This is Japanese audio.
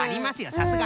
さすが。